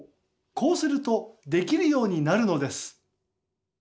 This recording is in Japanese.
こうするとできるようになるのです。